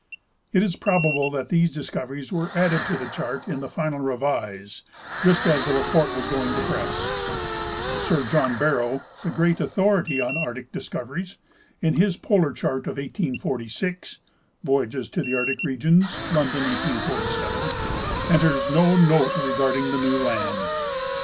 It is probable that these discoveries were adde I to the chart in the final revise, just as the report was going to press. Sir John Barrow, the great authority on Arctic discoveries, in his polar chart of 1846 (" Voyages to 'the Arctic Regions," London, 1847) enters no note regarding the new land.